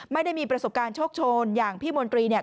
ไม่ได้มีประสบการณ์โชคโชนอย่างพี่มนตรีเนี่ย